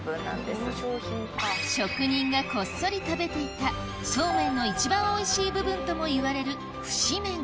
職人がこっそり食べていたそうめんの一番おいしい部分ともいわれるふし麺